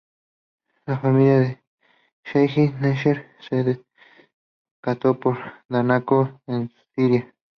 La familia del Sheij Nasser se decantó por Damasco en Siria.